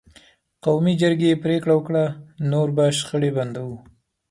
قومي جرګې پرېکړه وکړه: نور به شخړې بندوو.